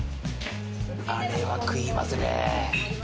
あれは食いますね。